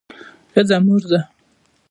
ښځه مور ده